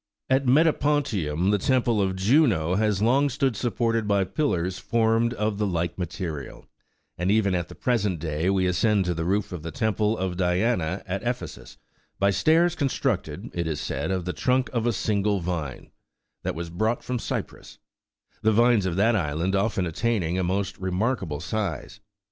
At Metapontum, the temple of Juno has long stood supported by pillars formed of the like material ; and even at the present day we ascend to the roof of the temple of Diana at Ephesus, by stairs constructed, it is said, of the trunk of a single vine, that was brought from Cyprus ; the vines of that island often attaining a most remarkable size.